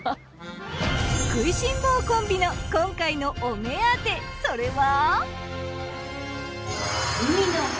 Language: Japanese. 食いしん坊コンビの今回のお目当てそれは。